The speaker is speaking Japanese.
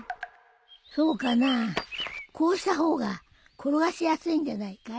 そうかなあこうした方が転がしやすいんじゃないかい？